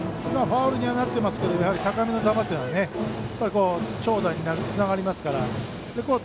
ファウルにはなってますけど高めの球というのは長打につながりますから。